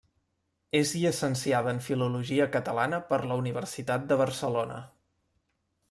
És llicenciada en Filologia Catalana per la Universitat de Barcelona.